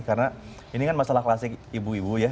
karena ini kan masalah klasik ibu ibu ya